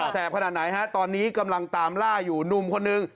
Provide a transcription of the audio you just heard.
แปบขนาดไหนฮะตอนนี้กำลังตามล่าอยู่หนุ่มคนนึง